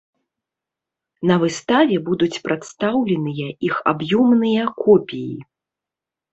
На выставе будуць прадстаўленыя іх аб'ёмныя копіі.